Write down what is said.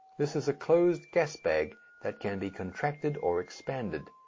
This is a closed gas bag that can be contracted or expanded.